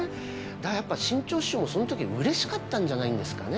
だからやっぱ志ん朝師匠もその時はうれしかったんじゃないんですかね。